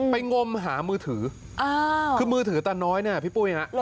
ไปงมหามือถือคือมือถือตาน้อยเนี่ยน่ะพี่ปู้ยังงี้